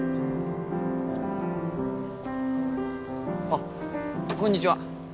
あっこんにちは。